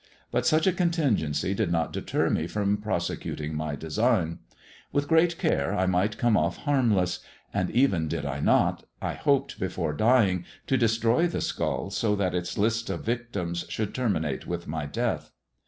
But such a contingency did not deter me from prosecuting my design. With great care I might come off harmless; and, even did I not, I hoped before dying to destroy the skull, so that its list of victims should terminate with my death.